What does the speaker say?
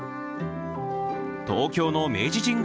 東京の明治神宮